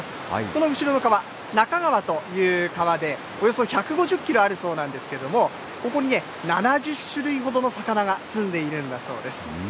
この後ろの川、那珂川という川で、およそ１５０キロあるそうなんですけども、ここにね、７０種類ほどの魚が住んでいるんだそうです。